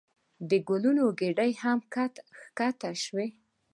د ګلونو ګېډۍ هم ښکته شوې.